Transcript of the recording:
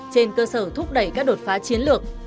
trên cơ sở thúc đẩy các đột phá chiến lược